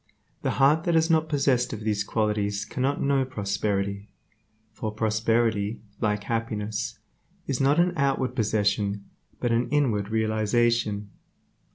The heart that is not possessed of these qualities cannot know prosperity, for prosperity, like happiness, is not an outward possession, but an inward realization.